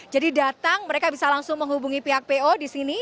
jadi datang mereka bisa langsung menghubungi pihak po disini